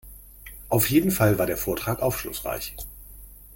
Auf jeden Fall war der Vortrag aufschlussreich.